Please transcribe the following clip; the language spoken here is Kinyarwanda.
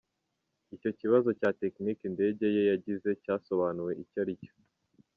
Icyo kibazo cya tekinike indege ye yagize nticyasobanuwe icyo ari cyo.